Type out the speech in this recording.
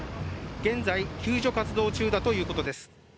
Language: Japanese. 現在、救助活動中だということです